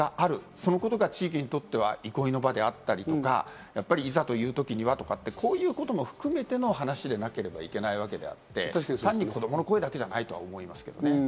そのことが地域にとって憩いの場であったり、いざという時にはって、こういうことも含めての話でなければいけないわけであって、単に子供の声だけじゃないとは思いますけどね。